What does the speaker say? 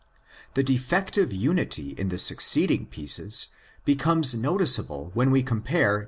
The defective unity in the succeeding piece becomes noticeable when we compare i.